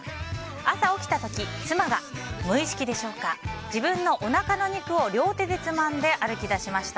朝起きた時、妻が無意識でしょうか自分のおなかの肉を両手でつまんで歩き出しました。